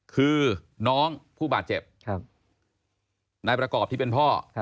คือน้องผู้บาดเจ็บนายประกอบที่เป็นพ่อ